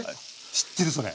知ってるそれ。